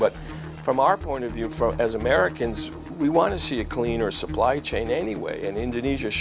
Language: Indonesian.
dan kemungkinan mereka tidak bisa mencapai keuntungan mereka